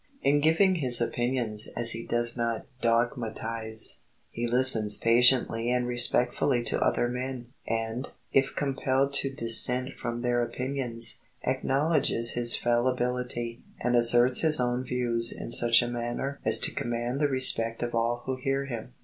In giving his opinions he does not dogmatize; he listens patiently and respectfully to other men, and, if compelled to dissent from their opinions, acknowledges his fallibility, and asserts his own views in such a manner as to command the respect of all who hear him.